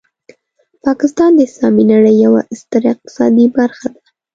پاکستان د اسلامي نړۍ یوه ستره اقتصادي برخه ده.